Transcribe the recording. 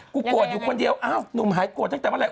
กูโกรธอยู่คนเดียวอ้าวหนุ่มหายโกรธตั้งแต่เมื่อไห